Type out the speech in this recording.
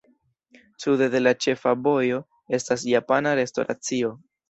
Sude de la ĉefa vojo estas japana restoracio.